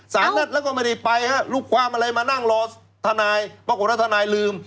นัดแล้วก็ไม่ได้ไปฮะลูกความอะไรมานั่งรอทนายปรากฏว่าทนายลืม